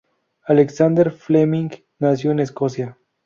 Alexander Fleming nació en Escocia.